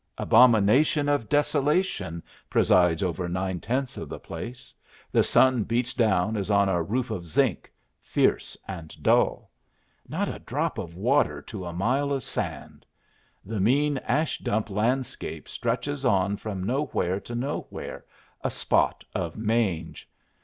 Abomination of desolation presides over nine tenths of the place. The sun beats down as on a roof of zinc, fierce and dull. Not a drop of water to a mile of sand. The mean ash dump landscape stretches on from nowhere to nowhere, a spot of mange.